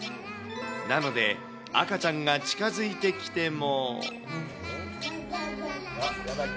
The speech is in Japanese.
なので、赤ちゃんが近づいてきても。